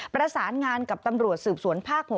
ประสานงานกับตำรวจสืบสวนภาค๖